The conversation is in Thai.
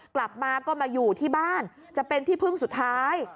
กลับมาก็มาอยู่ที่บ้านจะเป็นที่พึ่งสุดท้าย